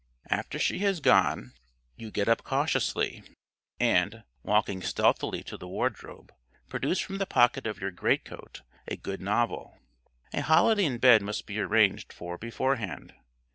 After she has gone you get up cautiously, and, walking stealthily to the wardrobe, produce from the pocket of your greatcoat a good novel. A holiday in bed must be arranged for beforehand.